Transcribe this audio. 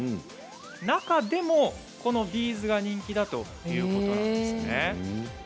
中でもこのビーズが人気だということなんですね。